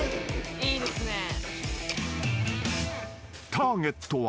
［ターゲットは］